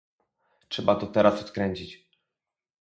Trzeba to teraz odkręcić